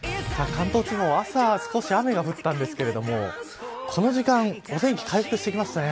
関東地方は、朝少し雨が降ったんですけどこの時間お天気回復してきましたね。